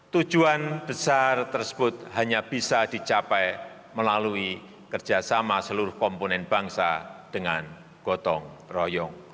tujuan besar tersebut hanya bisa dicapai melalui kerjasama seluruh komponen bangsa dengan gotong royong